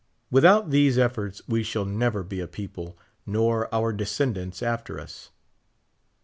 Without these efforts we shall never be a people, nor our descendants after us.